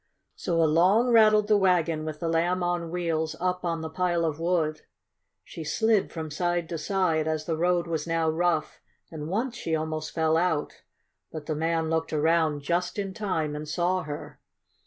So along rattled the wagon with the Lamb on Wheels up on the pile of wood. She slid from side to side, as the road was now rough, and once she almost fell out. But the man looked around just in time and saw her.